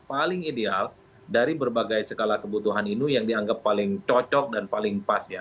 paling ideal dari berbagai skala kebutuhan ini yang dianggap paling cocok dan paling pas ya